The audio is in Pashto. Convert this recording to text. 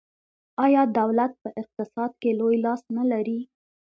آیا دولت په اقتصاد کې لوی لاس نلري؟